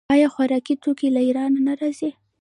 آیا خوراکي توکي له ایران نه راځي؟